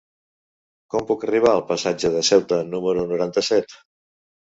Com puc arribar al passatge de Ceuta número noranta-set?